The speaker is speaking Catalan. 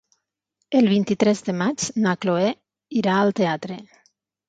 El vint-i-tres de maig na Cloè irà al teatre.